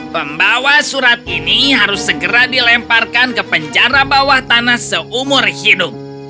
pembawa surat ini harus segera dilemparkan ke penjara bawah tanah seumur hidup